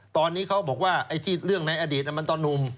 ตอนนี้เขาบอกว่าเรื่องในอดีตมันต้อนุ่ม